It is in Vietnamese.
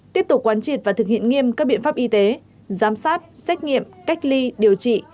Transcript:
tiếp tục quán triệt và thực hiện nghiêm các biện pháp y tế giám sát xét nghiệm cách ly điều trị